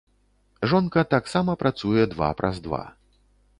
Жонка таксама працуе два праз два.